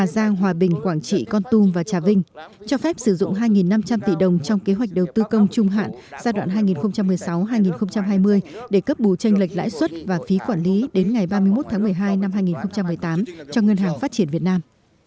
hòa bình quảng trị con tung và trà vinh cho phép sử dụng hai năm trăm linh tỷ đồng trong kế hoạch đầu tư công trung hạn giai đoạn hai nghìn một mươi sáu hai nghìn hai mươi để cấp bù tranh lệch lãi suất và phí quản lý đến ngày ba mươi một tháng một mươi hai năm hai nghìn một mươi tám cho ngân hàng phát triển việt nam